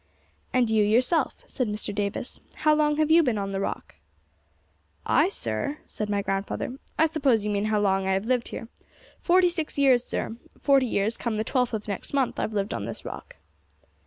'And you yourself,' said Mr. Davis 'how long have you been on the Rock?' 'I, sir?' said my grandfather. 'I suppose you mean how long have I lived here; forty years, sir forty years come the twelfth of next month I've lived on this rock.'